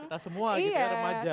kita semua gitu ya remaja